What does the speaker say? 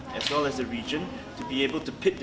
dan juga di kawasan kawasan lainnya